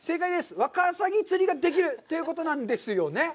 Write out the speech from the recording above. ワカサギ釣りができるということなんですよね？